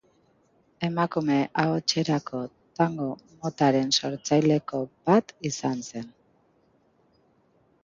Emakume ahotserako tango motaren sortzailetako bat izan zen.